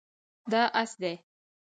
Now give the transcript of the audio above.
دا اس دی